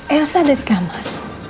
elsa dari kamar